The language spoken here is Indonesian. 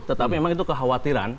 tetapi memang itu kekhawatiran